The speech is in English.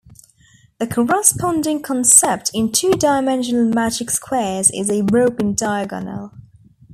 The corresponding concept in two-dimensional magic squares is a broken diagonal.